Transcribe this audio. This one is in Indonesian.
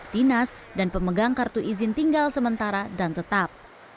dan pemegang kartu izin tinggal sementara dan tetap